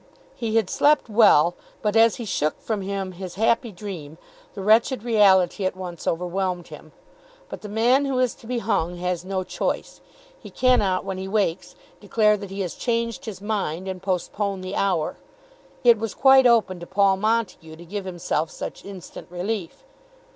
He had slept well, but as he shook from him his happy dream, the wretched reality at once overwhelmed him. But the man who is to be hung has no choice. He cannot, when he wakes, declare that he has changed his mind, and postpone the hour. It was quite open to Paul Montague to give himself such instant relief.